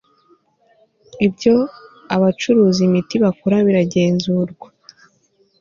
ibyo abacuruza imiti bakora biragenzurwa